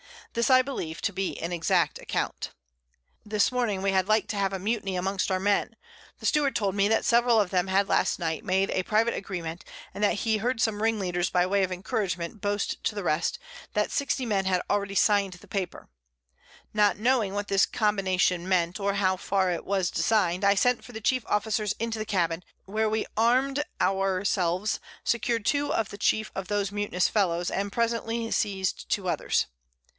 This I believe to be an exact Account. [Sidenote: In Gorgona Road.] This Morning we had like to have a Mutiny amongst our Men: The Steward told me, that several of them had last Night made a private Agreement, and that he heard some Ring leaders by way of Encouragement, boast to the rest, that 60 Men had already signed the Paper. Not knowing what this Combination meant, or how far it was design'd, I sent for the chief Officers into the Cabin, where we arm'd our selves, secured two of the chief of those mutinous Fellows, and presently seized two others.